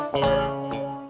pertanyaan dari iva